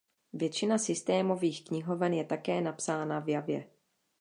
Většina systémových knihoven je také napsána v Javě.